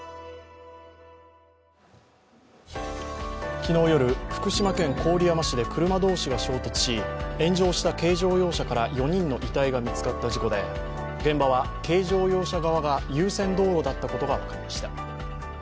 昨日夜、福島県郡山市で車同士が衝突し、炎上した軽乗用車から４人の遺体が見つかった事故で、現場は軽乗用車側が優先道路だったことが分かりました。